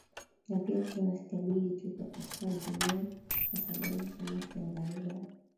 na pia kuwe na stability katika dunia kwa sababu kama ukiangalia